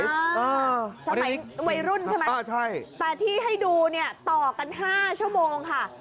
สมัยวัยรุ่นใช่ไหมอ่าใช่แต่ที่ให้ดูเนี่ยต่อกัน๕ชั่วโมงค่ะ